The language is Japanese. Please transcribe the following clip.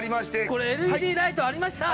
これＬＥＤライトありました！